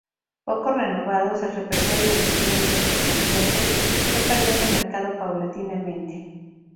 Poco renovados el repertorio y el estilo en tiempos cambiantes, fue perdiendo mercado paulatinamente.